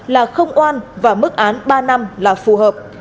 là không oan và mức án ba năm là phù hợp